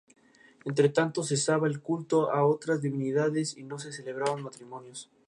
Todas las canciones fueron escritas por Jason Becker, excepto donde está especificado.